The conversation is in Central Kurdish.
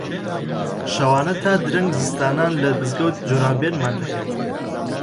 شەوانە تا درەنگ زستانان لە مزگەوت جۆرابێنمان دەکرد